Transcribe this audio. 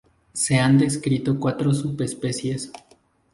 Se han descrito cuatro subespecies.